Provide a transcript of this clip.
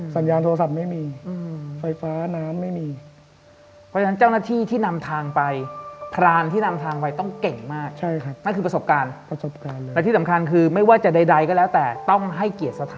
สัญญาโทรศัพท์ไม่มีไฟฟ้าน้ำไม่มี